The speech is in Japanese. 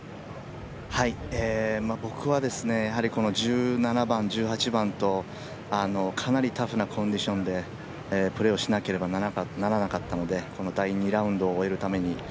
僕は、この１７番、１８番とかなりタフなコンディションでプレーをしなければならなかったのでこの第２ラウンドを終えるために。